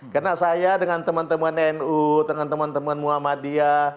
karena saya dengan teman teman nu dengan teman teman muhammadiyah